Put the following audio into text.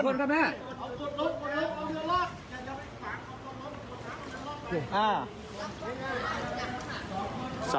มีกี่คนครับแม่